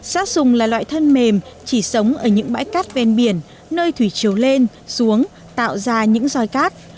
sát sùng là loại thân mềm chỉ sống ở những bãi cát ven biển nơi thủy chiều lên xuống tạo ra những roi cát